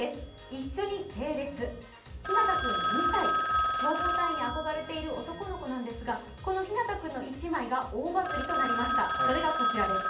一緒に整列、ひなた君２歳、消防隊員に憧れている男の子なんですが、この、ひなた君の１枚が大バズりとなりました。